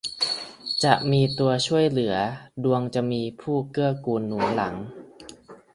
จะมีตัวช่วยเหลือ ดวงจะมีผู้เกื้อกูลหนุนหลัง